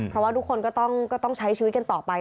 เพราะว่าทุกคนก็ต้องใช้ชีวิตกันต่อไป